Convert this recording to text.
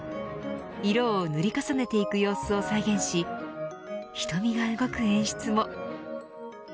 色を塗り重ねていく様子を再現し瞳が動く演出も。